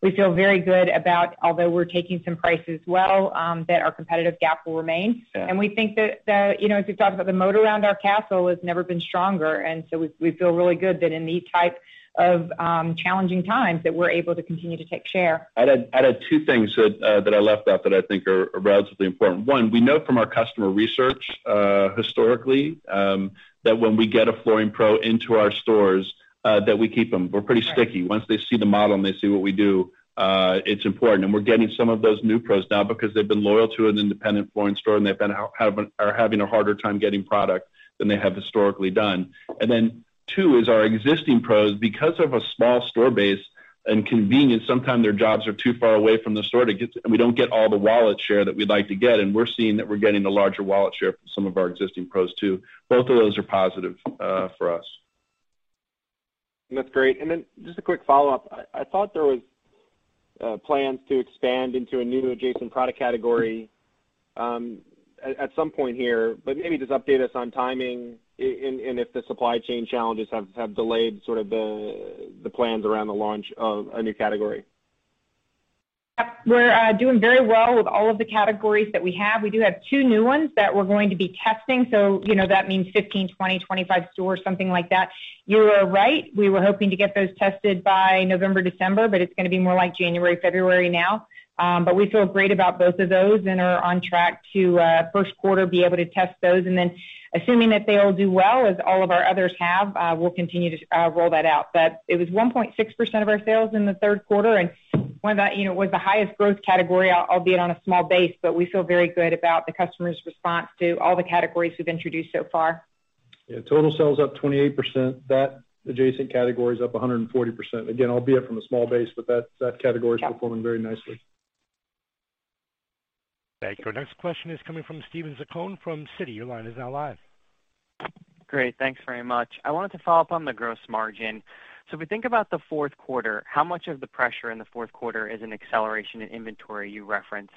We feel very good about, although we're taking some price as well, that our competitive gap will remain. Yeah. We think that you know, as we talk about the moat around our castle has never been stronger, and so we feel really good that in these type of challenging times, that we're able to continue to take share. I'd add two things that I left out that I think are relatively important. One, we know from our customer research, historically, that when we get a flooring pro into our stores, that we keep them. Right. We're pretty sticky. Once they see the model and they see what we do, it's important. We're getting some of those new pros now because they've been loyal to an independent flooring store, and they are having a harder time getting product than they have historically done. Two is our existing pros, because of a small store base and convenience. Sometimes their jobs are too far away from the store to get, and we don't get all the wallet share that we'd like to get, and we're seeing that we're getting the larger wallet share for some of our existing pros, too. Both of those are positive for us. That's great. Then just a quick follow-up. I thought there was plans to expand into a new adjacent product category at some point here, but maybe just update us on timing and if the supply chain challenges have delayed sort of the plans around the launch of a new category. Yeah. We're doing very well with all of the categories that we have. We do have two new ones that we're going to be testing, so you know that means 15, 20, 25 stores, something like that. You are right. We were hoping to get those tested by November, December, but it's gonna be more like January, February now. We feel great about both of those and are on track to first quarter be able to test those. Assuming that they all do well, as all of our others have, we'll continue to roll that out. It was 1.6% of our sales in the third quarter and one of the, you know, was the highest growth category, albeit on a small base. We feel very good about the customer's response to all the categories we've introduced so far. Yeah. Total sales up 28%. That adjacent category is up 140%. Again, albeit from a small base, but that category- Yeah is performing very nicely. Thank you. Our next question is coming from Steven Zaccone from Citi. Your line is now live. Great. Thanks very much. I wanted to follow up on the gross margin. So if we think about the fourth quarter, how much of the pressure in the fourth quarter is an acceleration in inventory you referenced?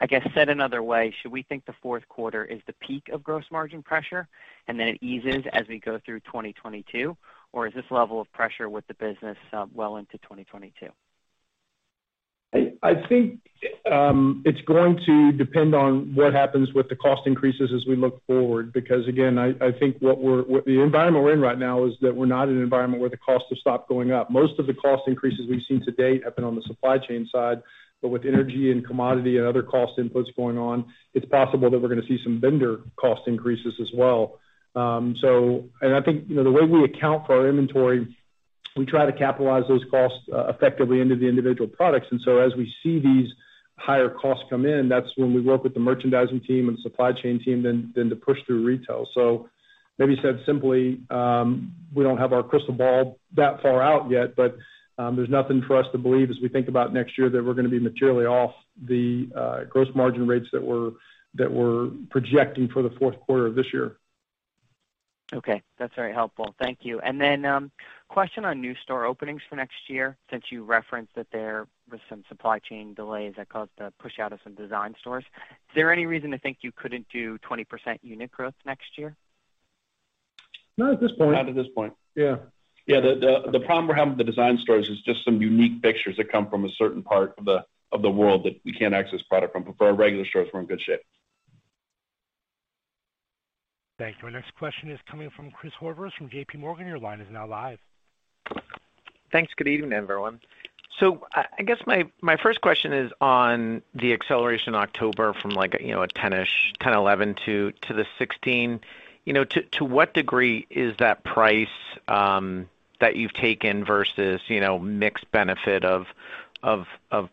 I guess said another way, should we think the fourth quarter is the peak of gross margin pressure, and then it eases as we go through 2022? Or is this level of pressure with the business, well into 2022? I think it's going to depend on what happens with the cost increases as we look forward. Because again, I think the environment we're in right now is that we're not in an environment where the costs have stopped going up. Most of the cost increases we've seen to date have been on the supply chain side. But with energy and commodity and other cost inputs going on, it's possible that we're gonna see some vendor cost increases as well. I think, you know, the way we account for our inventory, we try to capitalize those costs effectively into the individual products. As we see these higher costs come in, that's when we work with the merchandising team and supply chain team then to push through retail. Maybe said simply, we don't have our crystal ball that far out yet, but there's nothing for us to believe as we think about next year that we're gonna be materially off the gross margin rates that we're projecting for the fourth quarter of this year. Okay. That's very helpful. Thank you. Question on new store openings for next year, since you referenced that there was some supply chain delays that caused the push out of some design studios. Is there any reason to think you couldn't do 20% unit growth next year? Not at this point. Not at this point. Yeah. Yeah. The problem we're having with the design studios is just some unique products that come from a certain part of the world that we can't access product from. For our regular stores, we're in good shape. Thank you. Our next question is coming from Chris Horvers from JPMorgan. Your line is now live. Thanks. Good evening, everyone. I guess my first question is on the acceleration in October from a 10%-ish, 10-11% to the 16%. You know, to what degree is that price that you've taken versus, you know, mix benefit of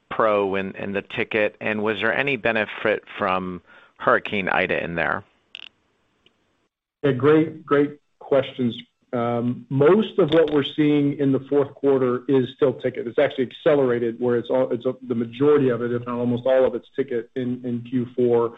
pro and the ticket? Was there any benefit from Hurricane Ida in there? Yeah, great questions. Most of what we're seeing in the fourth quarter is still ticket. It's actually accelerated where it's the majority of it, if not almost all of it's ticket in Q4.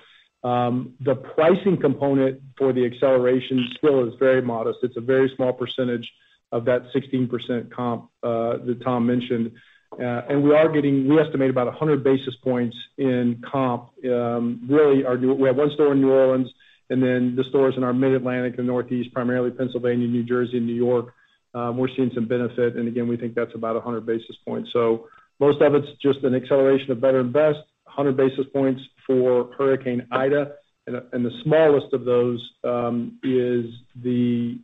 The pricing component for the acceleration still is very modest. It's a very small percentage of that 16% comp that Tom mentioned. We estimate about 100 basis points in comp. We have one store in New Orleans, and then the stores in our Mid-Atlantic and Northeast, primarily Pennsylvania, New Jersey, and New York, we're seeing some benefit. Again, we think that's about 100 basis points. Most of it's just an acceleration of better and best, 100 basis points for Hurricane Ida. The smallest of those is the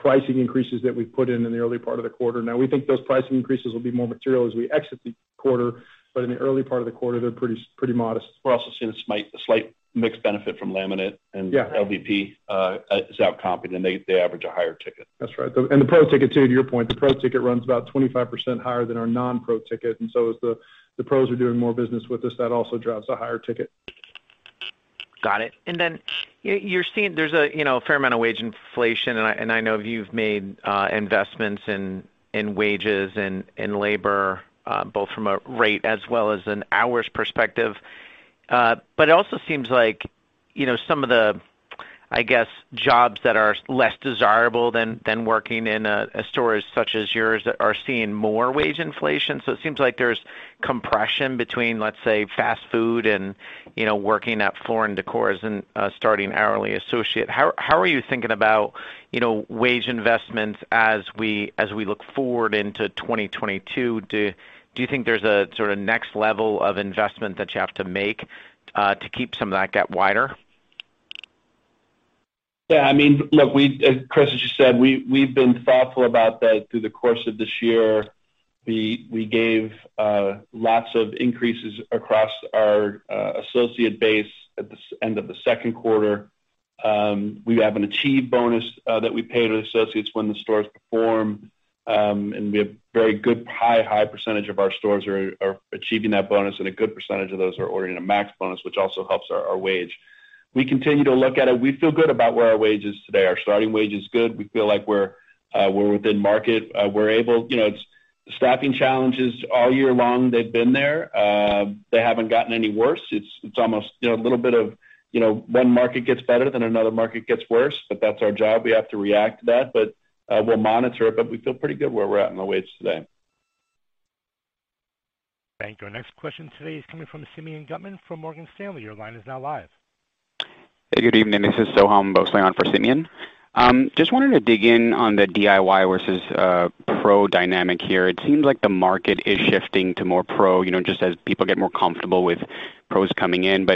pricing increases that we put in in the early part of the quarter. Now we think those pricing increases will be more material as we exit the quarter, but in the early part of the quarter, they're pretty modest. We're also seeing a slight mixed benefit from laminate and Yeah LVP as outpacing, and they average a higher ticket. That's right. The pro ticket too, to your point, the pro ticket runs about 25% higher than our non-pro ticket. As the pros are doing more business with us, that also drives a higher ticket. Got it. Then you're seeing there's a you know a fair amount of wage inflation, and I know you've made investments in wages and labor both from a rate as well as an hours perspective. It also seems like you know some of the I guess jobs that are less desirable than working in a store such as yours are seeing more wage inflation. It seems like there's compression between let's say fast food and you know working at Floor & Decor as a starting hourly associate. How are you thinking about you know wage investments as we look forward into 2022? Do you think there's a sort of next level of investment that you have to make to keep some of that gap wider? Yeah, I mean, look, Chris, as you said, we've been thoughtful about that through the course of this year. We gave lots of increases across our associate base at the end of the second quarter. We have an achievement bonus that we pay to the associates when the stores perform. We have a very good high percentage of our stores that are achieving that bonus, and a good percentage of those are earning a max bonus, which also helps our wage. We continue to look at it. We feel good about where our wage is today. Our starting wage is good. We feel like we're within market. You know, it's staffing challenges all year long, they've been there. They haven't gotten any worse. It's almost, you know, a little bit of, you know, one market gets better, then another market gets worse, that's our job. We have to react to that. We'll monitor it, but we feel pretty good where we're at in the way today. Thank you. Our next question today is coming from Simeon Gutman from Morgan Stanley. Your line is now live. Hey, good evening. This is Soham Bosalan for Simeon. Just wanted to dig in on the DIY versus pro dynamic here. It seems like the market is shifting to more pro, you know, just as people get more comfortable with pros coming in.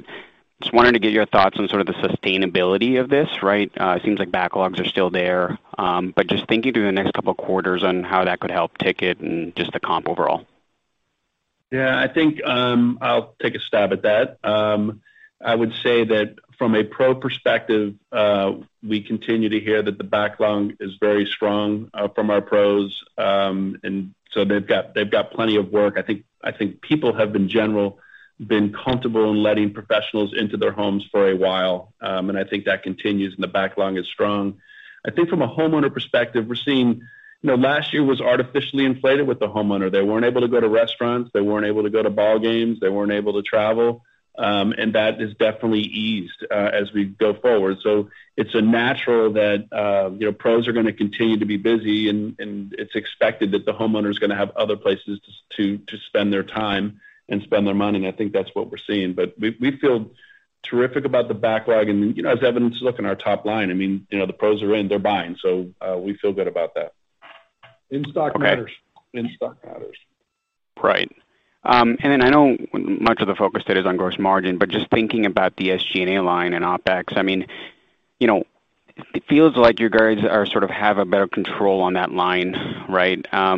Just wanted to get your thoughts on sort of the sustainability of this, right? It seems like backlogs are still there. Just thinking through the next couple of quarters on how that could help ticket and just the comp overall. Yeah, I think I'll take a stab at that. I would say that from a pro perspective, we continue to hear that the backlog is very strong from our pros. They've got plenty of work. I think people have, in general, been comfortable in letting professionals into their homes for a while. I think that continues and the backlog is strong. I think from a homeowner perspective, we're seeing you know, last year was artificially inflated with the homeowner. They weren't able to go to restaurants, they weren't able to go to ball games, they weren't able to travel. That has definitely eased as we go forward. It's natural that pros are gonna continue to be busy and it's expected that the homeowner is gonna have other places to spend their time and spend their money. I think that's what we're seeing. We feel terrific about the backlog. As evidence, look at our top line. The pros are in, they're buying. We feel good about that. In-stock matters. Okay. In-stock matters. Right. I know much of the focus today is on gross margin, just thinking about the SG&A line and OpEx, I mean, you know, it feels like your guys are sort of have a better control on that line, right? How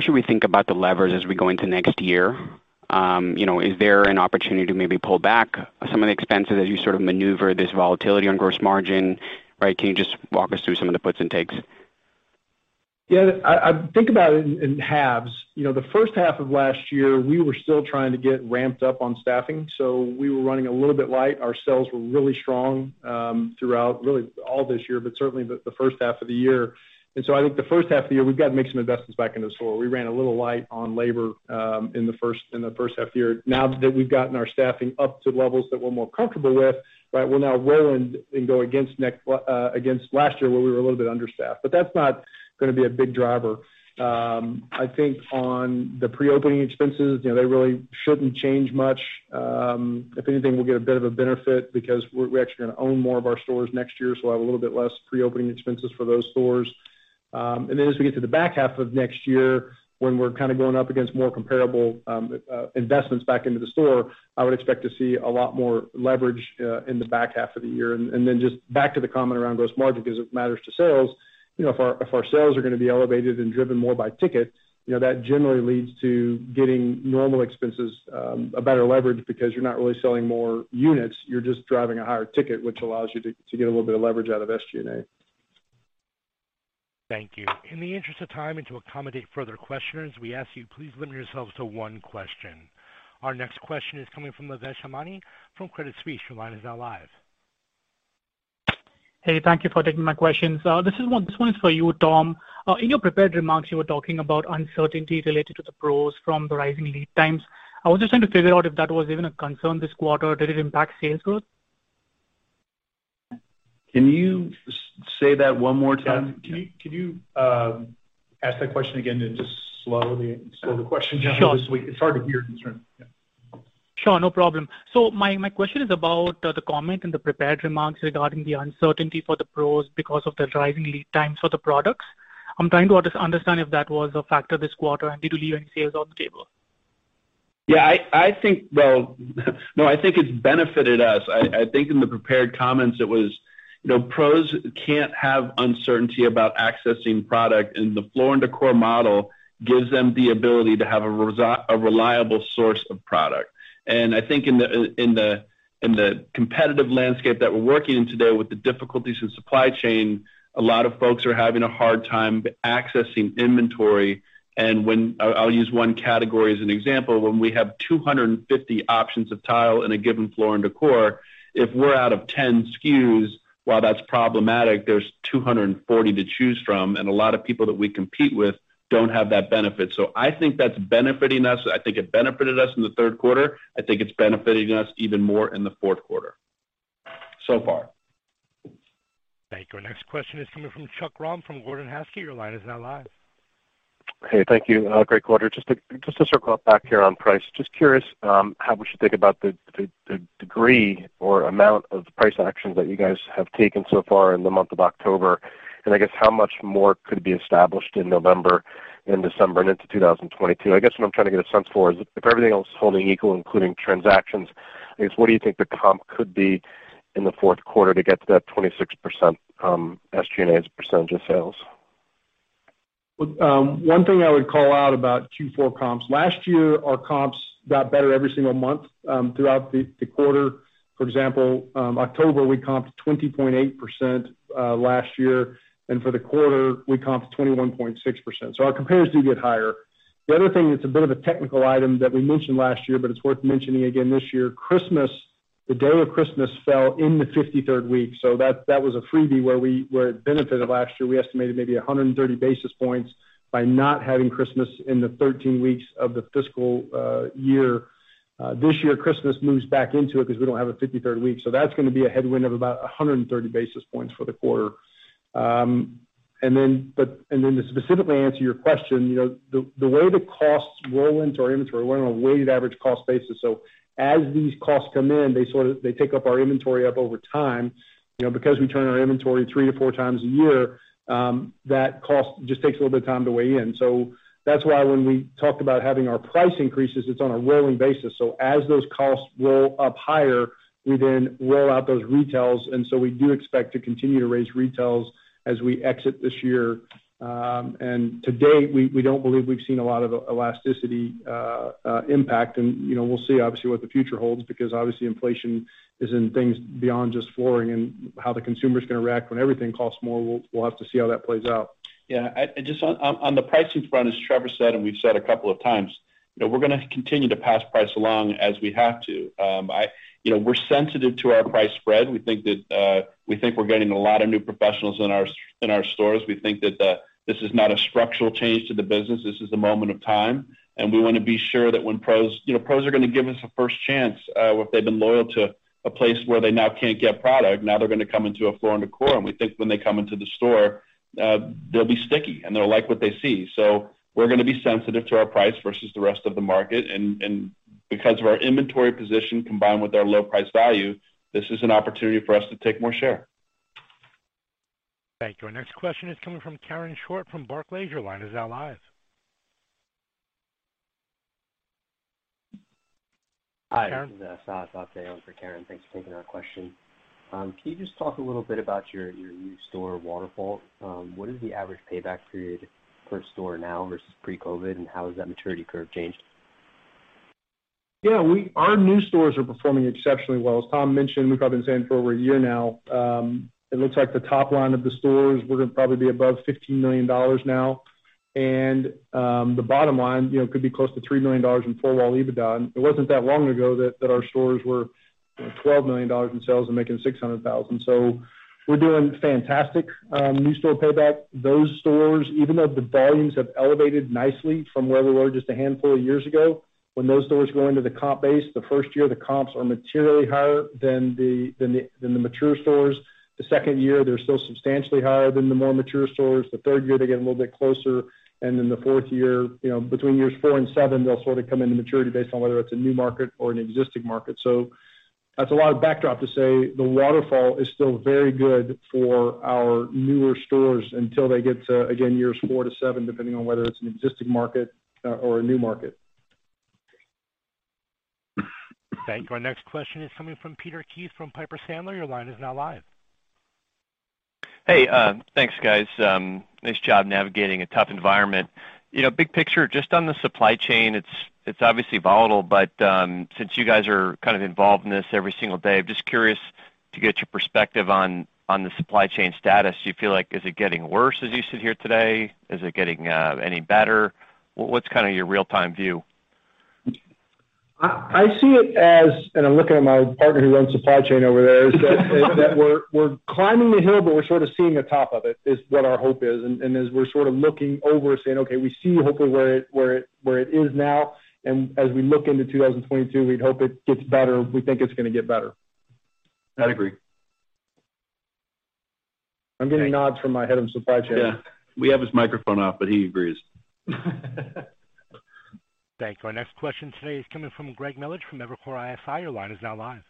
should we think about the levers as we go into next year? You know, is there an opportunity to maybe pull back some of the expenses as you sort of maneuver this volatility on gross margin, right? Can you just walk us through some of the puts and takes? Yeah. I think about it in halves. You know, the first half of last year, we were still trying to get ramped up on staffing, so we were running a little bit light. Our sales were really strong throughout really all this year, but certainly the first half of the year. I think the first half of the year, we've got to make some investments back into the store. We ran a little light on labor in the first half of the year. Now that we've gotten our staffing up to levels that we're more comfortable with, right, we'll now roll in and go against last year, where we were a little bit understaffed. But that's not gonna be a big driver. I think on the pre-opening expenses, you know, they really shouldn't change much. If anything, we'll get a bit of a benefit because we're actually gonna own more of our stores next year, so we'll have a little bit less pre-opening expenses for those stores. As we get to the back half of next year, when we're kind of going up against more comparable investments back into the store, I would expect to see a lot more leverage in the back half of the year. Just back to the comment around gross margin, because it matters to sales. You know, if our sales are gonna be elevated and driven more by ticket, you know, that generally leads to getting normal expenses, a better leverage because you're not really selling more units, you're just driving a higher ticket, which allows you to get a little bit of leverage out of SG&A. Thank you. In the interest of time and to accommodate further questions, we ask you please limit yourselves to one question. Our next question is coming from Lavesh Hemnani from Credit Suisse. Your line is now live. Hey, thank you for taking my questions. This one is for you, Tom. In your prepared remarks, you were talking about uncertainty related to the pros from the rising lead times. I was just trying to figure out if that was even a concern this quarter. Did it impact sales growth? Can you say that one more time? Yeah. Can you ask that question again and just slow the question down just a wee- Sure. It's hard to hear, concerned. Yeah. Sure. No problem. My question is about the comment in the prepared remarks regarding the uncertainty for the pros because of the rising lead times for the products. I'm trying to understand if that was a factor this quarter and did you leave any sales on the table? Yeah, I think it's benefited us. I think in the prepared comments, it was, you know, pros can't have uncertainty about accessing product, and the Floor & Decor model gives them the ability to have a reliable source of product. I think in the competitive landscape that we're working in today with the difficulties in supply chain, a lot of folks are having a hard time accessing inventory. I'll use one category as an example. When we have 250 options of tile in a given Floor & Decor, if we're out of 10 SKUs, while that's problematic, there's 240 to choose from, and a lot of people that we compete with don't have that benefit. I think that's benefiting us. I think it benefited us in the third quarter. I think it's benefiting us even more in the fourth quarter, so far. Thank you. Our next question is coming from Chuck Grom from Gordon Haskett. Your line is now live. Hey, thank you. Great quarter. Just to circle back here on price, just curious, how we should think about the degree or amount of price actions that you guys have taken so far in the month of October, and I guess how much more could be established in November and December and into 2022. I guess what I'm trying to get a sense for is if everything else is holding equal, including transactions, what do you think the comp could be in the fourth quarter to get to that 26% SG&A as a percentage of sales? Well, one thing I would call out about Q4 comps. Last year, our comps got better every single month throughout the quarter. For example, October, we comped 20.8% last year, and for the quarter, we comped 21.6%. Our compares do get higher. The other thing that's a bit of a technical item that we mentioned last year, but it's worth mentioning again this year. Christmas, the day of Christmas fell in the 53rd week, so that was a freebie where it benefited last year. We estimated maybe 130 basis points by not having Christmas in the 13 weeks of the fiscal year. This year, Christmas moves back into it because we don't have a 53rd week. That's gonna be a headwind of about 130 basis points for the quarter. To specifically answer your question, you know, the way the costs roll into our inventory, we're on a weighted average cost basis. As these costs come in, they take up our inventory over time. You know, because we turn our inventory 3-4 times a year, that cost just takes a little bit of time to weigh in. That's why when we talk about having our price increases, it's on a rolling basis. As those costs roll up higher, we then roll out those retails. We do expect to continue to raise retails as we exit this year. To date, we don't believe we've seen a lot of elasticity impact. You know, we'll see obviously what the future holds because obviously inflation is in things beyond just flooring and how the consumer is gonna react when everything costs more. We'll have to see how that plays out. Yeah. I just on the pricing front, as Trevor said, we've said a couple of times, you know, we're gonna continue to pass price along as we have to. You know, we're sensitive to our price spread. We think that we think we're getting a lot of new professionals in our stores. We think that this is not a structural change to the business. This is a moment of time, and we wanna be sure that when pros You know, pros are gonna give us a first chance, if they've been loyal to a place where they now can't get product, now they're gonna come into a Floor & Decor, and we think when they come into the store, they'll be sticky and they'll like what they see. We're gonna be sensitive to our price versus the rest of the market. Because of our inventory position combined with our low price value, this is an opportunity for us to take more share. Thank you. Our next question is coming from Karen Short from Barclays. Your line is now live. Hi. Karen? This is Saad Sathe on for Karen. Thanks for taking our question. Can you just talk a little bit about your new store Waterfall? What is the average payback period per store now versus pre-COVID, and how has that maturity curve changed? Yeah. Our new stores are performing exceptionally well. As Tom mentioned, we've probably been saying for over a year now, it looks like the top line of the stores, we're gonna probably be above $15 million now. The bottom line, you know, could be close to $3 million in four-wall EBIT. It wasn't that long ago that our stores were, you know, $12 million in sales and making $600 thousand. We're doing fantastic, new store payback. Those stores, even though the volumes have elevated nicely from where we were just a handful of years ago, when those stores go into the comp base, the first year, the comps are materially higher than the mature stores. The second year, they're still substantially higher than the more mature stores. The third year, they get a little bit closer. Then the fourth year, you know, between years 4 and 7, they'll sort of come into maturity based on whether it's a new market or an existing market. That's a lot of backdrop to say the waterfall is still very good for our newer stores until they get to, again, years 4 to 7, depending on whether it's an existing market or a new market. Thank you. Our next question is coming from Peter Keith from Piper Sandler. Your line is now live. Hey, thanks, guys. Nice job navigating a tough environment. You know, big picture, just on the supply chain, it's obviously volatile, but since you guys are kind of involved in this every single day, I'm just curious to get your perspective on the supply chain status. Do you feel like is it getting worse as you sit here today? Is it getting any better? What's kinda your real-time view? I see it as, and I'm looking at my partner who runs supply chain over there, that we're climbing the hill, but we're sort of seeing the top of it, is what our hope is. As we're sort of looking over saying, "Okay, we see hopefully where it is now." As we look into 2022, we'd hope it gets better. We think it's gonna get better. I'd agree. I'm getting nods from my head of supply chain. Yeah. We have his microphone off, but he agrees. Thank you. Our next question today is coming from Greg Melich from Evercore ISI. Your line is now live.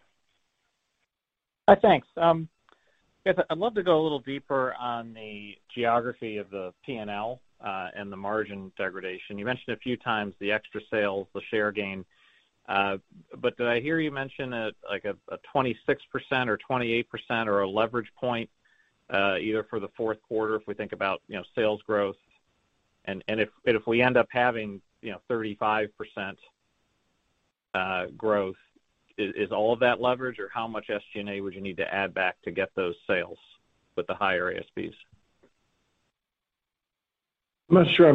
Thanks. Guys, I'd love to go a little deeper on the geography of the P&L and the margin degradation. You mentioned a few times the extra sales, the share gain. But did I hear you mention, like, a 26% or 28% or a leverage point, either for the fourth quarter if we think about, you know, sales growth? If we end up having, you know, 35% growth, is all of that leverage or how much SG&A would you need to add back to get those sales with the higher ASPs? I'm not sure.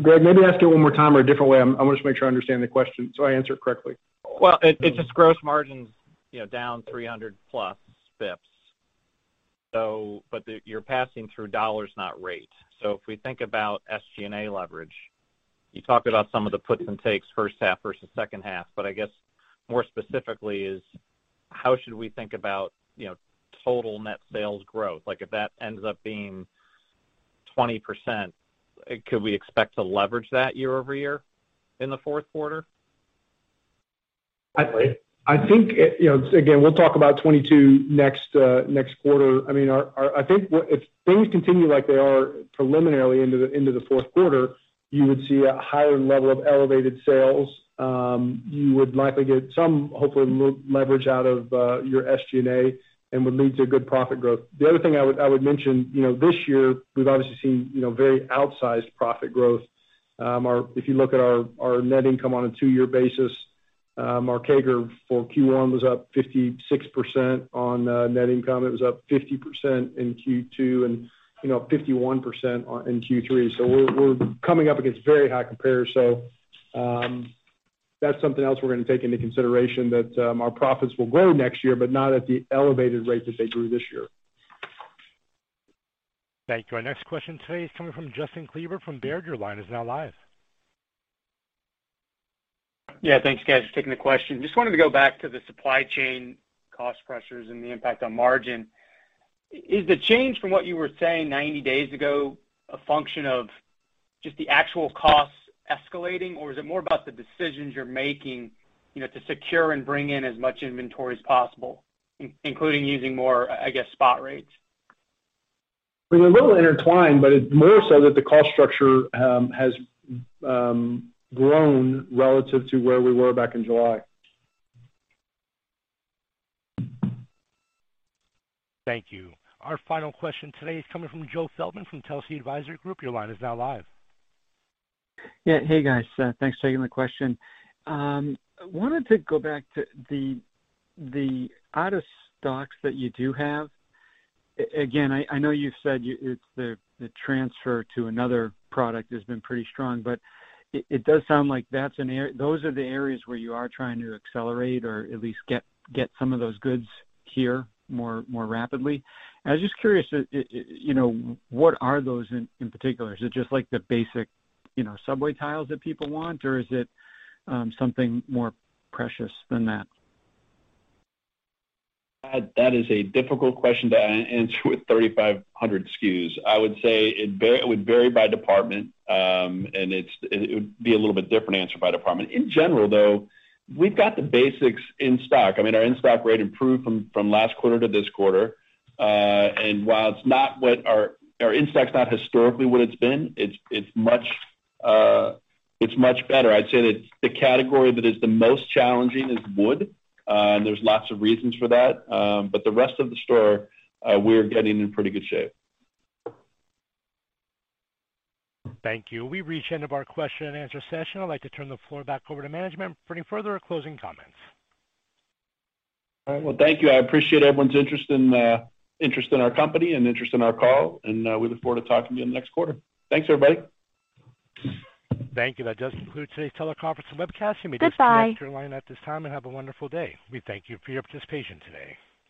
Greg, maybe ask it one more time or a different way. I wanna just make sure I understand the question so I answer it correctly. Well, it's just gross margins, you know, down 300+ bps. You're passing through dollars not rate. If we think about SG&A leverage, you talked about some of the puts and takes first half versus second half, but I guess more specifically is how should we think about, you know, total net sales growth? Like, if that ends up being 20%, could we expect to leverage that year-over-year in the fourth quarter? I think, you know, again, we'll talk about 2022 next quarter. I mean, if things continue like they are preliminarily into the fourth quarter, you would see a higher level of elevated sales. You would likely get some, hopefully, leverage out of your SG&A and would lead to good profit growth. The other thing I would mention, you know, this year we've obviously seen, you know, very outsized profit growth. If you look at our net income on a two-year basis, our CAGR for Q1 was up 56% on net income. It was up 50% in Q2 and, you know, 51% in Q3. So we're coming up against very high comparables. That's something else we're gonna take into consideration, that our profits will grow next year, but not at the elevated rate that they grew this year. Thank you. Our next question today is coming from Justin Kleber from Baird. Your line is now live. Yeah, thanks, guys, for taking the question. Just wanted to go back to the supply chain cost pressures and the impact on margin. Is the change from what you were saying 90 days ago a function of just the actual costs escalating, or is it more about the decisions you're making, you know, to secure and bring in as much inventory as possible, including using more, I guess, spot rates? They're a little intertwined, but it's more so that the cost structure has grown relative to where we were back in July. Thank you. Our final question today is coming from Joe Feldman from Telsey Advisory Group. Your line is now live. Yeah. Hey, guys. Thanks for taking the question. Wanted to go back to the out of stocks that you do have. Again, I know you've said it's the transfer to another product has been pretty strong, but it does sound like those are the areas where you are trying to accelerate or at least get some of those goods here more rapidly. I was just curious, you know, what are those in particular? Is it just like the basic, you know, subway tiles that people want, or is it something more precious than that? That is a difficult question to answer with 3,500 SKUs. I would say it would vary by department, and it would be a little bit different answer by department. In general, though, we've got the basics in stock. I mean, our in-stock rate improved from last quarter to this quarter. And while it's not what our in-stock's not historically what it's been, it's much better. I'd say that the category that is the most challenging is wood, and there's lots of reasons for that. But the rest of the store, we're getting in pretty good shape. Thank you. We've reached the end of our question and answer session. I'd like to turn the floor back over to management for any further closing comments. All right. Well, thank you. I appreciate everyone's interest in our company and interest in our call, and we look forward to talking to you in the next quarter. Thanks, everybody. Thank you. That does conclude today's teleconference and webcast. You may- Goodbye Disconnect your line at this time, and have a wonderful day. We thank you for your participation today.